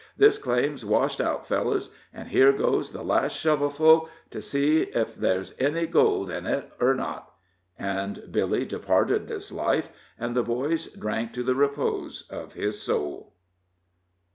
This claim's washed out, fellers, an' here goes the last shovelful, to see ef ther's enny gold in it er not." And Billy departed this life, and the boys drank to the repose of his soul.